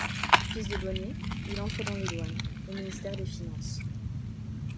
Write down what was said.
Fils de douanier, il entre dans les douanes, au ministère des Finances.